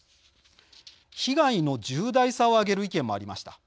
被害の重大さを挙げる意見もありました。